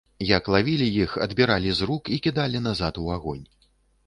Як лавілі іх, адбіралі з рук і кідалі назад у агонь.